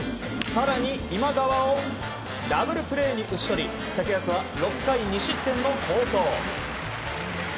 更に今川をダブルプレーに打ち取り竹安は６回２失点の好投。